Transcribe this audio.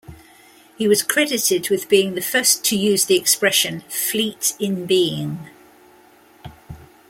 He was credited with being the first to use the expression, "fleet in being".